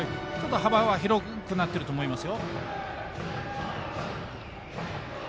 幅は広くなっていると思います。